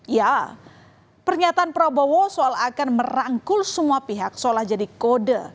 ya pernyataan prabowo soal akan merangkul semua pihak seolah jadi kode